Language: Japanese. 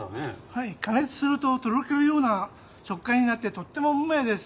はい、加熱すると、とろけるような食感になって、とってもうんめえです。